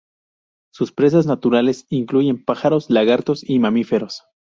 Sus presas naturales incluyen pájaros, lagartos y mamíferos.